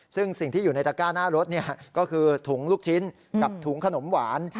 ซึ่งสิ่งที่อยู่ในตะก้าหน้ารถก็คือถุงลูกชิ้นกับถุงขนมหวาน